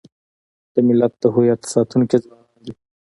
د ملت د هویت ساتونکي ځوانان دي.